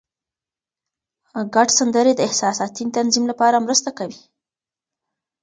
ګډ سندرې د احساساتي تنظیم لپاره مرسته کوي.